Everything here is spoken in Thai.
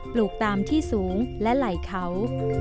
ลูกตามที่สูงและไหล่เขา